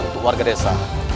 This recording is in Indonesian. untuk warga desa